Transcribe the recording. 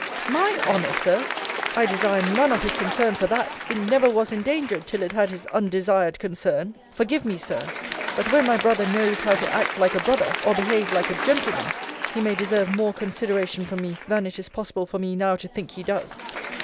My honour, Sir! I desire none of his concern for that! It never was endangered till it had his undesired concern! Forgive me, Sir but when my brother knows how to act like a brother, or behave like a gentleman, he may deserve more consideration from me than it is possible for me now to think he does.